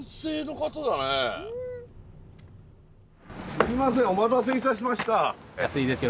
すいませんお待たせいたしました。